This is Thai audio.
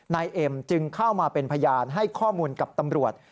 นายเอ็มจึงเข้ามาเป็นพยานให้ข้อมูลกับตำรวจ